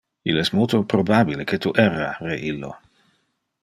Il es multo probabile que tu erra re illo.